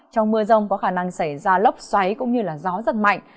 trong mưa rông có khả năng xảy ra lốc xoáy cũng như gió giật mạnh